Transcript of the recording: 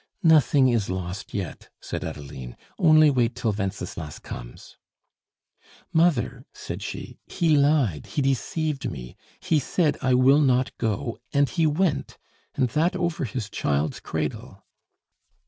"Nothing is lost yet," said Adeline. "Only wait till Wenceslas comes." "Mother," said she, "he lied, he deceived me. He said, 'I will not go,' and he went. And that over his child's cradle."